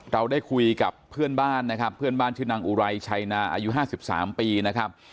เราได้คุยกับเพื่อนบ้านนะครับเพื่อนบ้านชื่อนางอุไรชัยนาอายุ๕๓ปีนะครับ